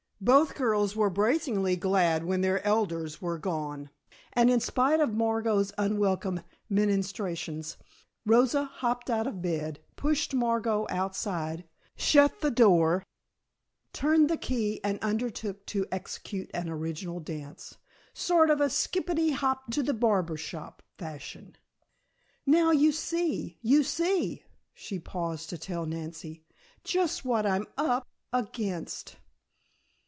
Both girls were brazenly glad when their elders were gone, and in spite of Margot's unwelcome ministrations, Rosa hopped out of bed, pushed Margot outside, shut the door, turned the key and undertook to execute an original dance, sort of "skippity hop to the barber shop" fashion. "Now you see, you see," she paused to tell Nancy, "just what I'm up against!"